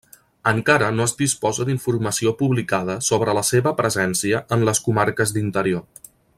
Encara no es disposa d'informació publicada sobre la seva presència en les comarques d'interior.